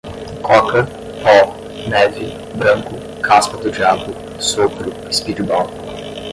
coca, pó, neve, branco, caspa do diabo, sopro, speedball